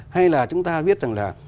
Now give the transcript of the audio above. hay là chúng ta biết rằng là